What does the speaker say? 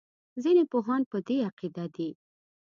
ځینې پوهان په دې عقیده دي.